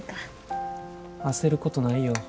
焦ることないよ。